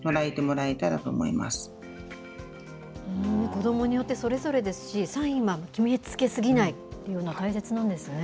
子どもによってそれぞれですし、サインは決めつけ過ぎないというのは大切なんですね。